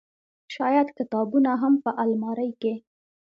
شايد کتابونه هم په المارۍ کې